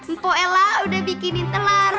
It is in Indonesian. mpo ella udah bikinin telur